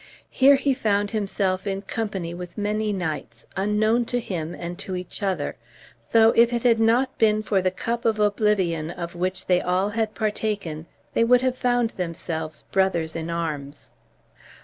Here he found himself in company with many knights, unknown to him and to each other, though if it had not been for the Cup of Oblivion of which they all had partaken they would have found themselves brothers in arms.